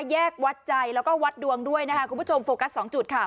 แยกวัดใจแล้วก็วัดดวงด้วยนะคะคุณผู้ชมโฟกัสสองจุดค่ะ